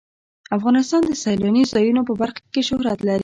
افغانستان د سیلاني ځایونو په برخه کې شهرت لري.